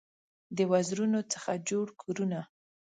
د وزرونو څخه جوړ کورونه